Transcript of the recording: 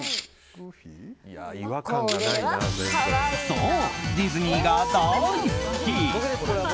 そう、ディズニーが大好き！